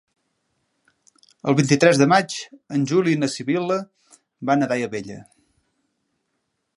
El vint-i-tres de maig en Juli i na Sibil·la van a Daia Vella.